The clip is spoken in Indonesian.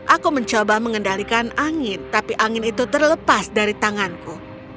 aku mencoba mengendalikan angin tapi angin itu terlepas dari tanganku